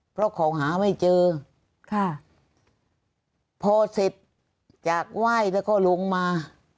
เพราะของหาไม่เจอค่ะพอเสร็จจากไหว้แล้วก็ลงมา